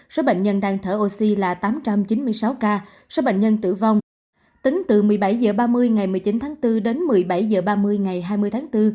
số bệnh nhân đang thở oxy là tám trăm chín mươi sáu ca số bệnh nhân tử vong tính từ một mươi bảy h ba mươi ngày một mươi chín tháng bốn đến một mươi bảy h ba mươi ngày hai mươi tháng bốn